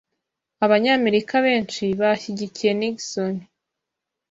Abanyamerika benshi bashyigikiye Nixon.